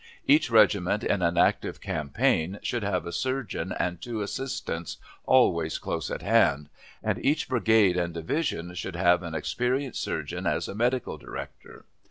Each regiment in an active campaign should have a surgeon and two assistants always close at hand, and each brigade and division should have an experienced surgeon as a medical director.